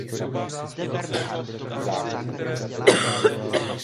Na Slovensku se společností Pirelli exkluzivně spolupracuje server Pravda.sk a deník Pravda.